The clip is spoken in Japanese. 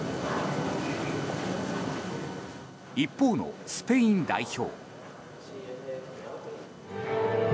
一方のスペイン代表。